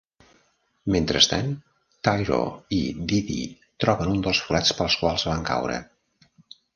Mentrestant, Tyro i Didi troben un dels forats pels quals van caure.